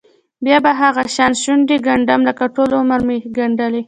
بیا به هغه شان شونډې ګنډم لکه ټول عمر چې مې ګنډلې.